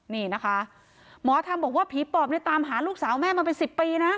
นี่นะคะหมอธรรมบอกว่าผีปอบเนี่ยตามหาลูกสาวแม่มาเป็น๑๐ปีนะ